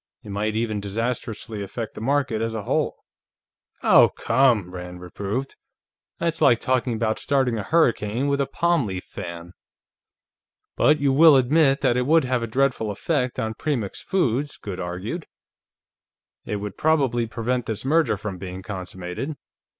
It might even disastrously affect the market as a whole." "Oh, come!" Rand reproved. "That's like talking about starting a hurricane with a palm leaf fan." "But you will admit that it would have a dreadful effect on Premix Foods," Goode argued. "It would probably prevent this merger from being consummated.